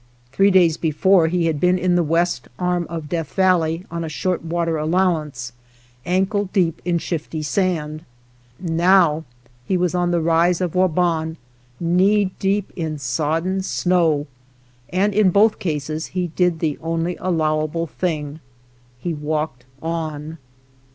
Three days be fore he had been in the west arm of Death'v Valley on a short water allowance, ankle deep in shifty sand ; now he was on the rise of Waban, knee deep in sodden snow, and in both cases he did the only allow able thing — he walked on.